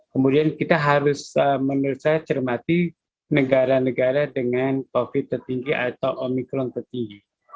kemudian kita harus menurut saya cermati negara negara dengan covid tertinggi atau omikron tertinggi